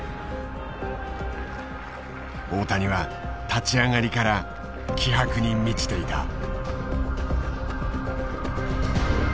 大谷は立ち上がりから気迫に満ちていた。